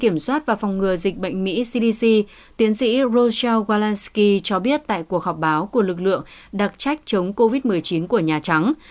kiểm soát và phòng ngừa dịch bệnh mỹ cdc tiến sĩ roseel alensky cho biết tại cuộc họp báo của lực lượng đặc trách chống covid một mươi chín của nhà trắng